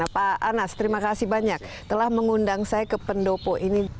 pak anas terima kasih banyak telah mengundang saya ke pendopo ini